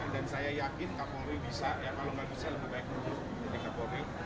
dan saya yakin kak polri bisa kalau nggak bisa lebih baik